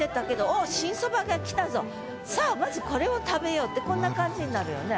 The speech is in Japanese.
さあまずこれを食べようってこんな感じになるよね。